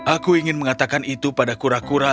aku ingin mengatakan itu pada kura kura